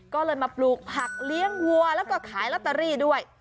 ก็เลยมาปลูกผักเลี้ยงวัวแล้วก็ขายลอตเตอรี่ด้วย